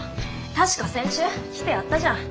確か先週来てやったじゃん。